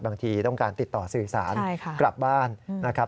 บางทีต้องการติดต่อสื่อสารกลับบ้านนะครับ